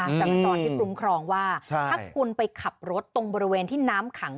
จรจรที่คุ้มครองว่าถ้าคุณไปขับรถตรงบริเวณที่น้ำขัง